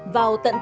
vào tận tâm